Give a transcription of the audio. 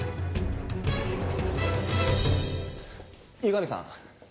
湯上さん。